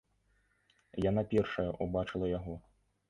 Яна першая ўбачыла яго.